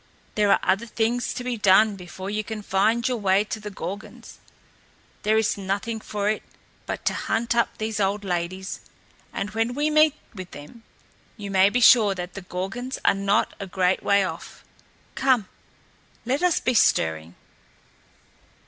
"There are other things to be done before you can find your way to the Gorgons. There is nothing for it but to hunt up these old ladies; and when we meet with them, you may be sure that the Gorgons are not a great way off. Come, let us be stirring!"